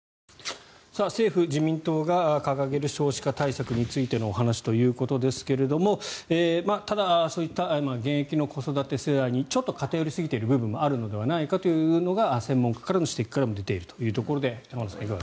政府・自民党が掲げる少子化対策についてのお話ということですがただ、そういった現役の子育て世代に偏りすぎている部分もあるのではないかというのが専門家からの指摘からも出ているということで浜田さん。